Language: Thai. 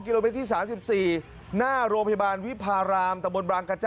กิโลเมตรที่สามสิบสี่หน้ารถพิบารวิพารรามตระบวนบลางกะจ้า